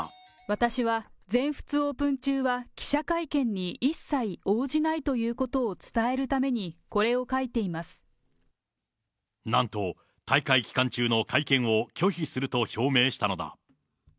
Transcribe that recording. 私は全仏オープン中は記者会見に一切応じないということを伝なんと、大会期間中の会見を拒否すると表明したのだ。